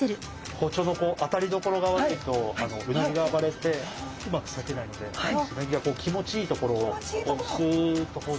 包丁の当たりどころが悪いとうなぎが暴れてうまくさけないのでうなぎがこう気持ちいいところをスッと包丁通します。